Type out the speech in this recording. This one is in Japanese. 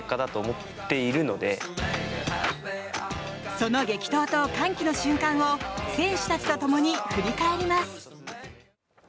その激闘と歓喜の瞬間を選手たちと共に振り返ります！